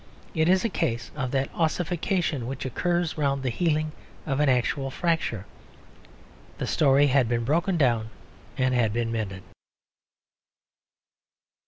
It is a case of that ossification which occurs round the healing of an actual fracture; the story had broken down and been mended.